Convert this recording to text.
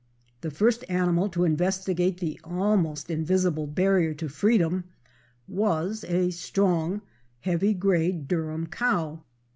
The first animal to investigate the almost invisible barrier to freedom was a strong, heavy grade Durham cow.